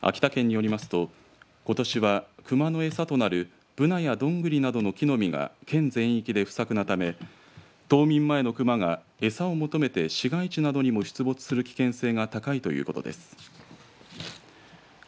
秋田県によりますとことしはクマの餌となるブナやドングリなどの木の実が県全域で不作のため冬眠前のクマが餌を求めて市街地などにも出没する危険性が高いということです。